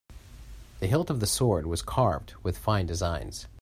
The hilt of the sword was carved with fine designs.